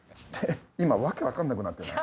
今訳わかんなくなってない？